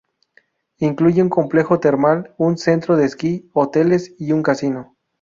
Incluye un complejo termal, un centro de esquí, hoteles y un casino.